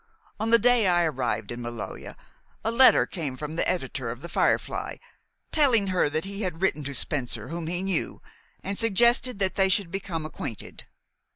On the day I arrived in Maloja, a letter came from the editor of 'The Firefly,' telling her that he had written to Spencer, whom he knew, and suggested that they should become acquainted."